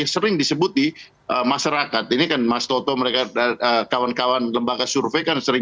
asticksi mbak puan misalnya mobil ini bisa menghasilkan keutamaan artistik maupun site